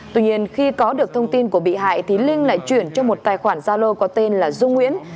tuy nhiên khi có được thông tin của bị hại thì linh lại chuyển cho một tài khoản gia lô có tên là dung nguyễn